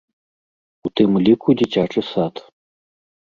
У тым ліку дзіцячы сад.